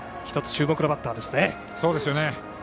１つ注目のバッターです。